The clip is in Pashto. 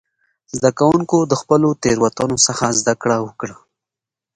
زده کوونکو د خپلو تېروتنو څخه زده کړه وکړه.